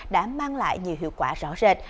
đã mang lại nhiều hiệu quả rõ rệt